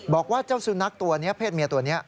บอกว่าเจ้าสุนัขตัวนี้เพศเมียตัวนี้